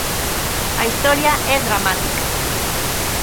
A historia é dramática.